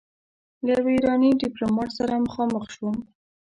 له يوه ايراني ډيپلومات سره مخامخ شوم.